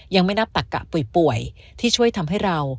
ยังไม่นับตักกะป่วยที่ช่วยทำให้เรา